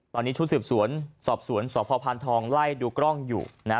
ตอนนี้ชุดสืบสวนสอบสวนสพพานทองไล่ดูกล้องอยู่นะฮะ